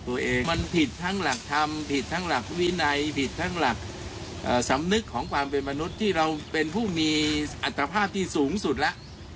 มันผิดทั้งหลักธรรมผิดทั้งหลักวินัยผิดทั้งหลักสำนึกของความเป็นมนุษย์ที่เราเป็นผู้มีอัตภาพที่สูงสุดแล้ว